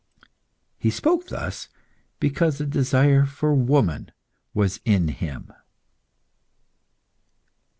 He spoke thus because the desire for woman was in him.